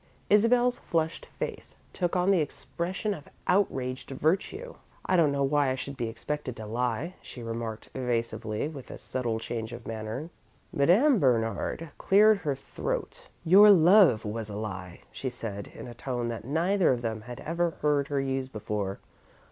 Isabel's flushed face took on the expression of outraged virtue. "I don't know why I should be expected to lie," she remarked evasively, with a subtle change of manner. Madame Bernard cleared her throat. "Your love was a lie," she said, in a tone that neither of them had ever heard her use before.